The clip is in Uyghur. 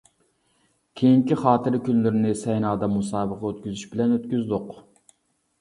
كېيىنكى خاتىرە كۈنلىرىنى سەينادا مۇسابىقە ئۆتكۈزۈش بىلەن ئۆتكۈزدۇق.